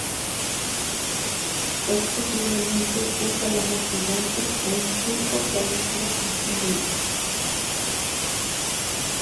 Es, posiblemente, un calamar gigante o un pulpo que haya sido confundido.